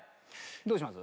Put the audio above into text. どうします？